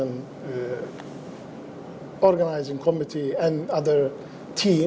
dan para anggota tim lainnya